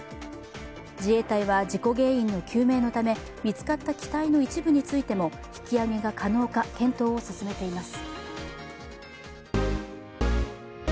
自衛隊は事故原因の究明のため見つかった機体の一部についても引き揚げが可能か検討を進めています。